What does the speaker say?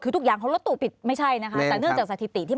คือทุกอย่างเขารถตู้ผิดไม่ใช่แต่เนื่องจากสถิติ